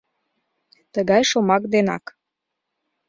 Тыгай шомак денак.